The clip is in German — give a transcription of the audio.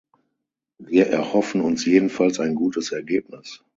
Wir erhoffen uns jedenfalls ein gutes Ergebnis.